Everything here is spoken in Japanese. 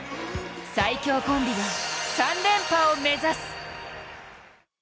最強コンビが、３連覇を目指す。